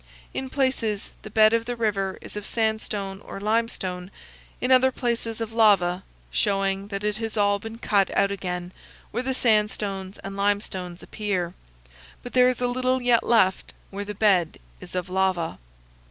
In places the bed of the river is of sandstone or limestone, in other places of lava, showing that it has all been cut out again where the sandstones and limestones appear; but there is a little yet left where the bed is of lava.